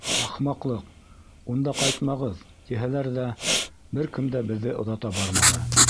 Ахмаҡлыҡ, унда ҡайтмағыҙ, тиһәләр ҙә, бер кем дә беҙҙе оҙата барманы.